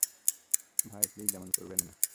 ভাই, প্লিজ এমন করবেন না।